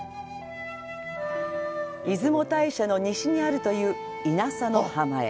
出雲大社の西にあるという稲佐の浜へ。